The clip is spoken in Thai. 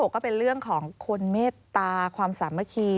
ก็เป็นเรื่องของคนเมตตาความสามัคคี